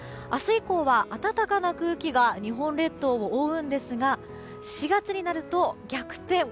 明日以降は暖かな空気が日本列島を覆うんですが４月になると逆転。